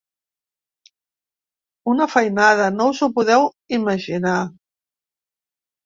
Una feinada, no us ho podeu imaginar!